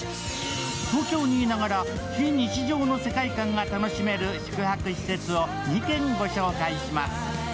東京にいながら非日常の世界観が楽しめる宿泊施設を２軒ご紹介します。